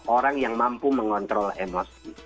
orang yang mampu mengontrol emosi